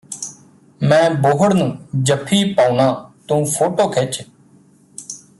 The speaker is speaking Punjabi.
ਮੈਂ ਬੋਹੜ ਨੂੰ ਜੱਫੀ ਪਾਉਨਾਂ ਤੂੰ ਫੋਟੋ ਖਿੱਚ